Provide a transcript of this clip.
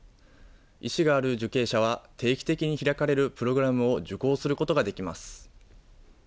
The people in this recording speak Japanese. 意思がある受刑者には定期的に開かれるプログラムを受講することができます。